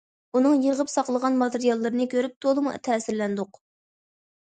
ئۇنىڭ يىغىپ ساقلىغان ماتېرىياللىرىنى كۆرۈپ تولىمۇ تەسىرلەندۇق.